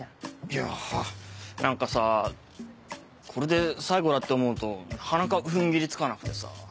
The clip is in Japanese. いやぁ何かさこれで最後だって思うとなかなか踏ん切りつかなくてさ。